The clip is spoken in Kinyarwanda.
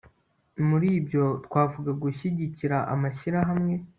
muri byo twavuga gushyigikira amashyirahamwe